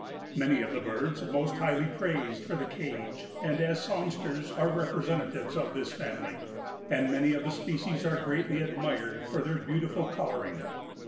Many of the birds most highly prized for the cage and as songsters are representatives of this family and many of the species are greatly admired for their beautiful coloring.